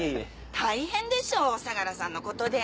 大変でしょう相良さんのことで。